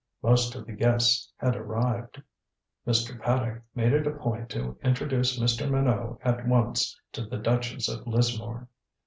Most of the guests had arrived. Mr. Paddock made it a point to introduce Mr. Minot at once to the Duchess of Lismore.